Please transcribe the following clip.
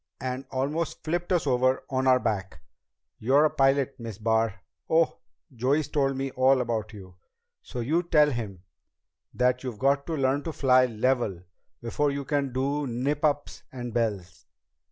And almost flipped us over on our back. You're a pilot, Miss Barr oh, Joey's told me all about you so you tell him that you've got to learn to fly level before you can do nip ups and bells.